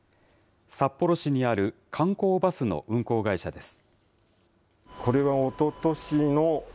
札幌市にある観光バスの運行会社です。